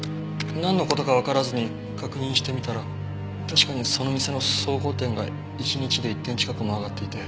なんの事かわからずに確認してみたら確かにその店の総合点が一日で１点近くも上がっていて。